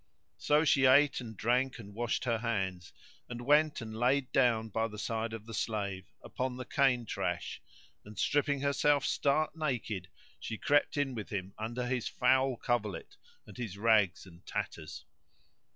So she ate and drank and washed her hands, and went and lay down by the side of the slave, upon the cane trash and, stripping herself stark naked, she crept in with him under his foul coverlet and his rags and tatters.